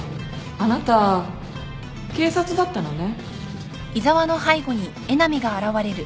あなた警察だったのね。